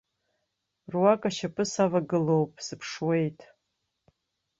Руак ашьапы савагылоуп, сыԥшуеит.